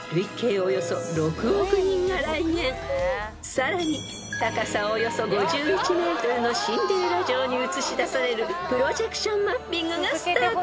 ［さらに高さおよそ５１ｍのシンデレラ城に映し出されるプロジェクションマッピングがスタート］